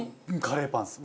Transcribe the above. カレーパンです。